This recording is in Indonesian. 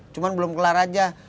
cuman belum kelar aja